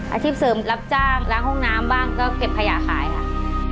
อาชีพเสริมรับจ้างล้างห้องน้ำบ้างก็เก็บขยะขายค่ะ